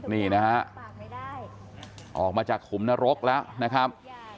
นี่นะฮะออกมาจากขุมนรกแล้วนะครับ